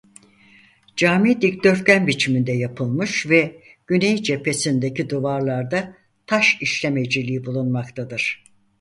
Cami dikdörtgen biçiminde yapılmıştır ve güney cephesindeki duvarlarda taş işlemeciliği bulunmaktadır.